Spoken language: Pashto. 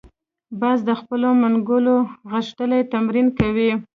باز د خپلو منګولو غښتلي تمرین کوي